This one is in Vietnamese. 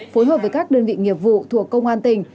phối hợp với các đơn vị nghiệp vụ thuộc công an tỉnh